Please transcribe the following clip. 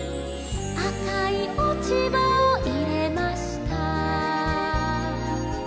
「赤い落ち葉を入れました」